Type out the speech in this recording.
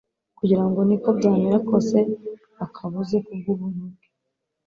kugira ngo niko byamera kose bakabuze kubw'ubuntu bwe,